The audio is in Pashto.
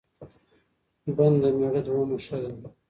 بن د مېړه دوهمه ښځه